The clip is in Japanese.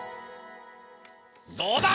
どうだ？